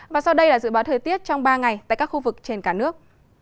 và sau đây là dự báo thời tiết trong ba ngày tại các khu vực trên cả nước